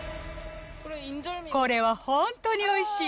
これは本当においしい。